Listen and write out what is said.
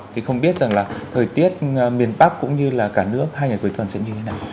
thì không biết rằng là thời tiết miền bắc cũng như là cả nước hai ngày cuối tuần sẽ như thế nào